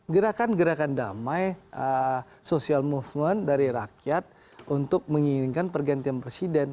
gerakan gerakan damai social movement dari rakyat untuk menginginkan pergantian presiden